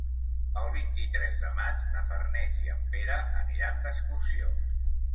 El vint-i-tres de maig na Farners i en Pere aniran d'excursió.